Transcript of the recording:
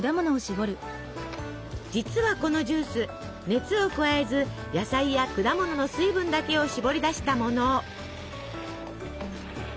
実はこのジュース熱を加えず野菜や果物の水分だけをしぼり出したもの。